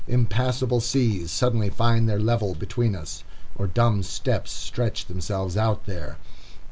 Impassable seas suddenly find their level between us, or dumb steppes stretch themselves out there.